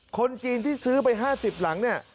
คนจีนที่ซื้อไป๕๐หลังเนี่ย